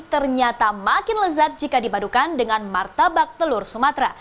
ternyata makin lezat jika dipadukan dengan martabak telur sumatera